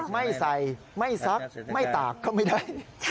ไม่ใส่ไม่ซักไม่ตากก็ไม่ได้